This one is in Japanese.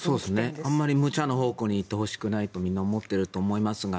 あまり無茶な方向に行ってほしくないとみんな思っていると思いますが。